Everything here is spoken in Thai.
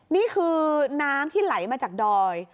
นี่คือน้ำที่ไหลมาจากดอย